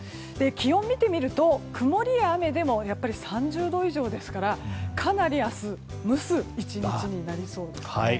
気温を見てみると曇りや雨でもやっぱり３０度以上ですからかなり明日蒸す１日になりそうですね。